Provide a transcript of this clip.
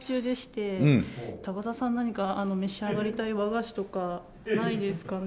高田さん何か召し上がりたい和菓子とかないですかね？